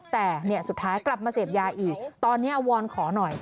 แต่สุดท้ายกลับมาเสพยาอีกตอนนี้วอนขอหน่อย